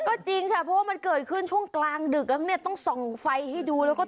ก็จริงค่ะเพราะว่ามันเกิดขึ้นช่วงกลางดึกแล้วเนี่ยต้องส่องไฟให้ดูแล้วก็